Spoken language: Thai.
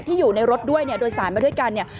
อยู่ในรถด้วยเนี่ยโดยสารมาด้วยกันเนี่ย